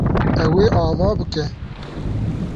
Ew ê ava bike.